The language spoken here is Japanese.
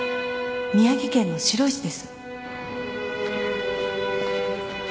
宮城県の白石です